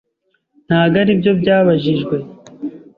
Ntabwo aribyo byabajijwe.